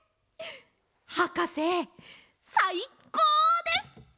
はかせさいこうです！